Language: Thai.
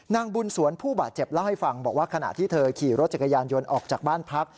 นางบุญสวนผู้บาดเจ็บเล่าให้ฟังบอกว่าขณะที่เธอขี่รถจักรยานยนต์ออกจากบ้านพัก